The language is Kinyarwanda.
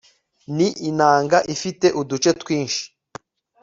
ni inanga ifite uduce, twinshi